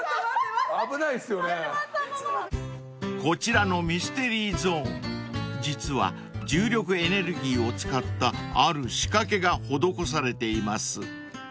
［こちらのミステリーゾーン実は重力エネルギーを使ったある仕掛けが施されています］